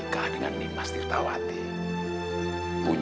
kau jangan khawatir